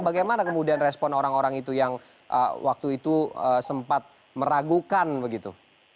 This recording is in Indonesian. bagaimana kemudian respon orang orang itu yang waktu itu sempat meragukan begitu